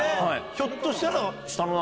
ひょっとしたら。